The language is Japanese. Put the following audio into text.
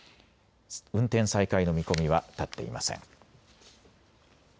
運転再開の見込みは立っていません。